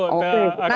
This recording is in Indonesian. nanti ya pak